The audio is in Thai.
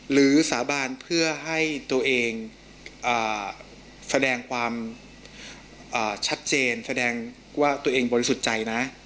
สาบานเพื่อให้ตัวเองแสดงความชัดเจนแสดงว่าตัวเองบริสุทธิ์ใจนะ